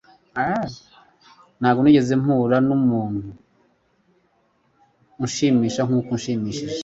Ntabwo nigeze mpura numuntu unshimisha nkuko unshimishije